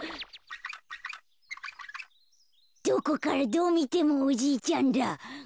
どこからどうみてもおじいちゃんだ。